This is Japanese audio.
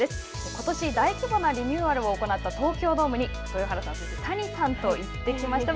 ことし、大規模なリニューアルを行った東京ドームに豊原さん谷さんと行ってきました。